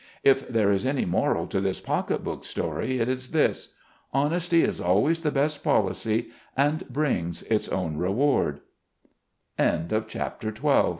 If there is any moral to this pocket book story, it is this : Honesty is always the best policy, and brings its own rewa